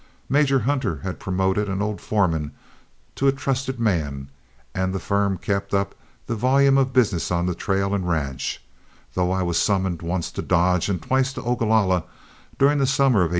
Major Hunter had promoted an old foreman to a trusted man, and the firm kept up the volume of business on the trail and ranch, though I was summoned once to Dodge and twice to Ogalalla during the summer of 1883.